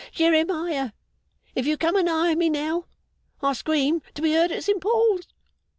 Jeremiah, if you come a nigh me now, I'll scream to be heard at St Paul's!